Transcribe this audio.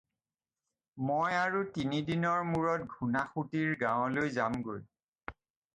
মই আৰু তিনিদিনৰ মূৰত ঘূণাসুঁতিৰ গাঁৱলৈ যামগৈ।